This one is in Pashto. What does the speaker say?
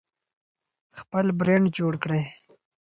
خپل برند جوړ کړئ.